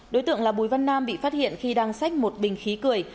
đối tượng là bùi văn nam bị phát hiện khi đang xách một bình khí cười